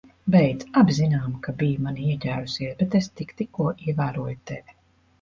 Beidz. Abi zinām, ka biji manī ieķērusies, bet es tik tikko ievēroju tevi.